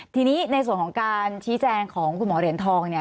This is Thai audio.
ทีนี้ในส่วนของการชี้แจงของคุณหมอเหรียญทองเนี่ย